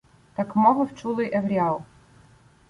Так мовив чулий Евріал.